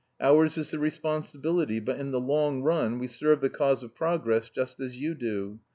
Ours is the responsibility, but in the long run we serve the cause of progress just as you do.